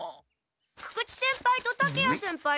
久々知先輩と竹谷先輩でしたら。